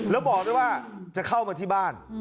แล้วบอกด้วยว่าจะเข้ามาที่บ้าน